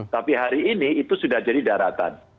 tapi hari ini itu sudah jadi daratan